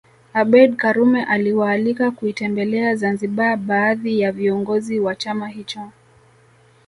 Abeid Karume aliwaalika kuitembelea Zanzibar baadhi ya viongozi wa chama hicho